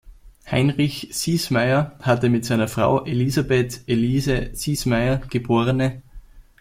Heinrich Siesmayer hatte mit seiner Frau Elisabeth „Elise“ Siesmayer, geb.